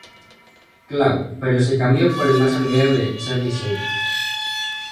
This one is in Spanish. Cloud" pero se cambió por el más abreviado de "Charlie St.